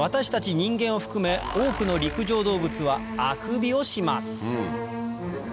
人間を含め多くの陸上動物はあくびをします